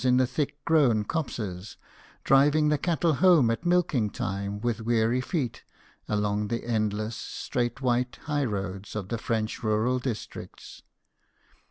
129 in the thick grown copses ; driving the cattle home at milking time with weary feet, along the endless, straight white high roads of the French rural districts.